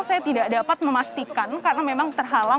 saya tidak dapat memastikan karena memang terhalang